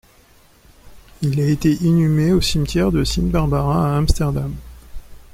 Il a été inhumé au cimetière Sint Barbara à Amsterdam.